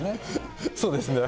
そうですね。